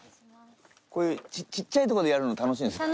こういうちっちゃいところでやるの楽しいですよね。